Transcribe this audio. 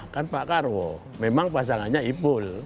kan pak karwo memang pasangannya ipul